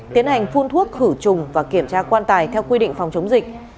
tiến hành phun thuốc khử trùng và kiểm tra quan tài theo quy định phòng chống dịch